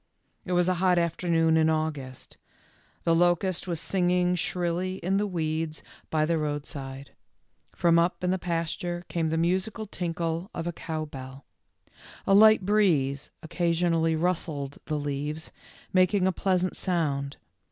It was a hot afternoon in August. The locust was singing shrilly in the weeds by the A TERRIBLE RIDE. 103 roadside. From up in the pasture came the musical tinkle of a cow bell. A light breeze occasionally rustled the leaves, making a pleas ant sound.